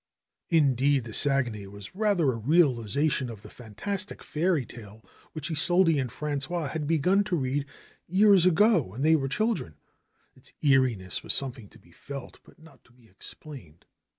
Indeed, the Saguenay was rather a realization of the fantastic fairy tale which Isolde and Frangois had begun to read years ago when they were children. Its eeriness was something to be felt but not to be explained.